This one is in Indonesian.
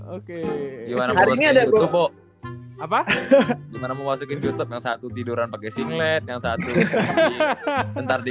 oke gimana mau masukin youtube yang satu tiduran pakai singlet yang satu bentar di